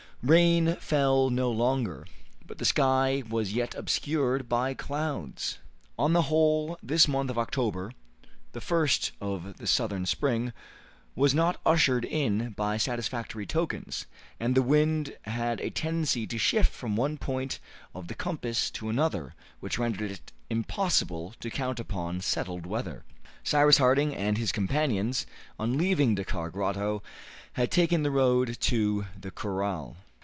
Rain fell no longer, but the sky was yet obscured by clouds. On the whole, this month of October, the first of the southern spring, was not ushered in by satisfactory tokens, and the wind had a tendency to shift from one point of the compass to another, which rendered it impossible to count upon settled weather. Cyrus Harding and his companions, on leaving Dakkar Grotto, had taken the road to the corral.